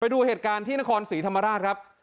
ดูเหตุการณ์ที่นครศรีธรรมราชครับ